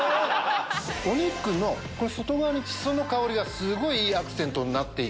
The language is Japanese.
お肉の外側にシソの香りがすごいいいアクセントになって。